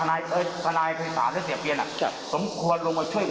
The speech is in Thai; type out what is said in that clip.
แล้วคุณพิจารณาตรงนั้นด้วย